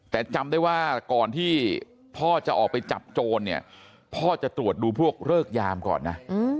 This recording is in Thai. แต่จำได้ว่าก่อนที่พ่อจะออกไปจับโจรเนี่ยพ่อจะตรวจดูพวกเริกยามก่อนนะ